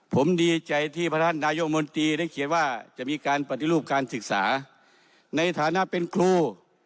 ผมดีใจที่พระท่านนายกมนตรีได้เขียนว่าจะมีการปฏิรูปการศึกษาในฐานะเป็นครู